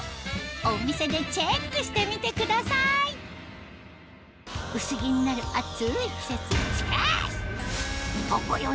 お店でチェックしてみてください薄着になる暑い季節ぽっこり